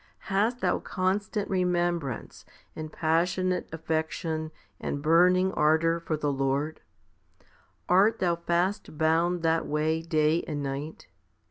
Hast thou constant remembrance, and passionate affection, and burning ardour for the Lord? Art thou fast bound that way day and night?